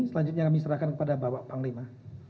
selanjutnya kami serahkan kepada bapak panglima